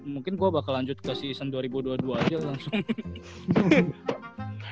mungkin gue bakal lanjut ke season dua ribu dua puluh dua aja langsung